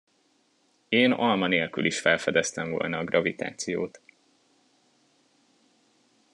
Én alma nélkül is felfedeztem volna a gravitációt.